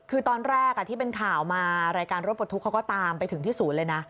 คือตอนแรกที่เป็นข่าวมารายการรถปลดทุกข์เขาก็ตามไปถึงที่ศูนย์เลยนะ